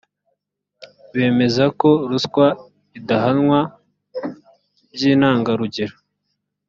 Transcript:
bemeza ko ruswa idahanwa by intangarugero